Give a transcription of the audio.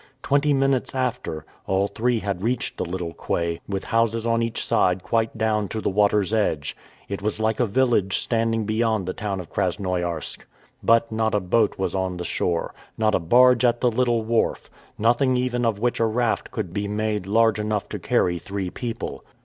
Twenty minutes after, all three had reached the little quay, with houses on each side quite down to the water's edge. It was like a village standing beyond the town of Krasnoiarsk. But not a boat was on the shore, not a barge at the little wharf, nothing even of which a raft could be made large enough to carry three people.